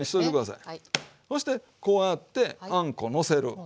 そしてこうやってあんこのせる。